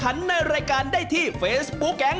อะไรอ่ะดีบมือ